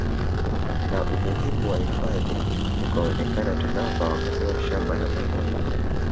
Na umuhimu wa hifadhi ukaonekana Tanapa wakapewa shamba namba moja